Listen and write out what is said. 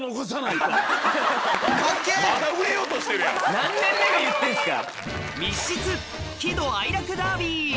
何年目が言ってるんですか。